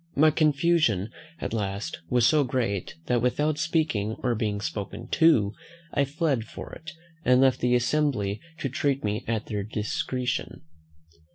My confusion at last was so great, that, without speaking, or being spoken to, I fled for it, and left the assembly to treat me at their discretion.